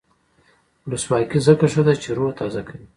ولسواکي ځکه ښه ده چې روح تازه کوي.